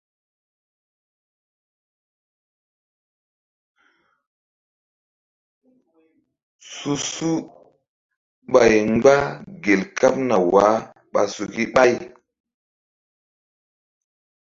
Su-su ɓay mgba gel kaɓna wah ɓa suk ɓay.